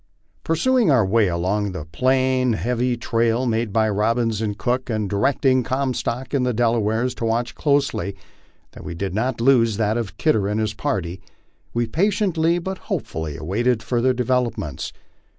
Pursuing our way along the plain, heavy trail made by Bobbins and Cook, and directing Comstock and the Delawares to watch closely that we did not lose that of Kidder and his party, we patiently but hopefully awaited further developments.